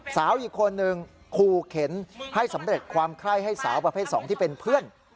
สาวอีกคนนึงขู่เข็นให้สำเร็จความไข้ให้สาวประเภท๒ที่เป็นเพื่อน